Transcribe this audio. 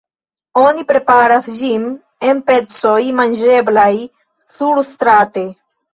Oni preparas ĝin en pecoj manĝeblaj surstrate.